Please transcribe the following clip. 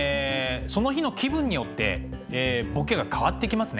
その日の気分によってボケが変わってきますね。